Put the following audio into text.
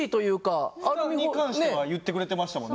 ふたに関しては言ってくれてましたもんね。